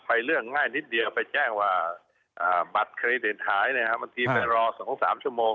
เรื่องง่ายนิดเดียวไปแจ้งว่าบัตรเครดิตหายบางทีไปรอ๒๓ชั่วโมง